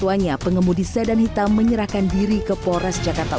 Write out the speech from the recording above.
saya tidak bisa mencari penyakit